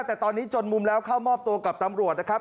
แต่ตอนนี้จนมุมแล้วเข้ามอบตัวกับตำรวจนะครับ